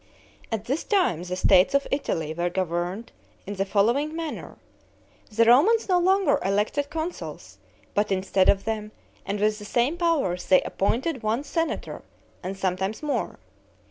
At this time the states of Italy were governed in the following manner: the Romans no longer elected consuls, but instead of them, and with the same powers, they appointed one senator, and sometimes more.